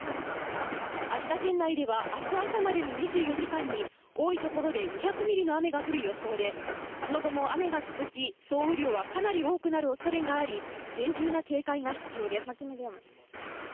秋田県内ではあす朝までの２４時間に多いところで２００ミリの雨が降る予想で、その後も雨が続き、総雨量がかなり多くなる恐れがあり、厳重な警戒が必要です。